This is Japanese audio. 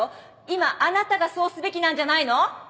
今あなたがそうすべきなんじゃないの？